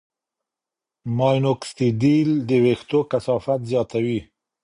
ماینوکسیډیل د وېښتو کثافت زیاتوي.